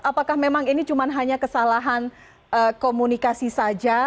apakah memang ini cuma hanya kesalahan komunikasi saja